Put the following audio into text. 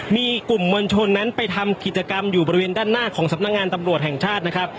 มีกลุ่มมวลชนนั้นไปทำกิจกรรมอยู่บริเวณด้านหน้าของสำนักงานตำรวจแห่งชาตินะครับ